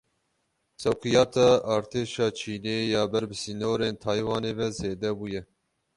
Sewqiyata Artêşa Çînê ya ber bi sînorên Taywanê ve zêde bûye.